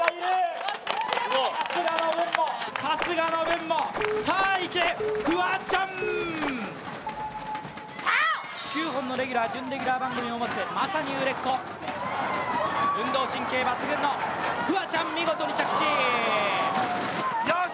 春日の分も、さあ行け、フワちゃん！９本のレギュラー準レギュラー番組を持つ、まさに売れっ子運動神経抜群のフワちゃん、よしよーし！